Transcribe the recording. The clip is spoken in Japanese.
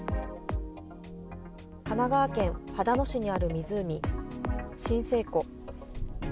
神奈川県秦野市にある湖、震生湖。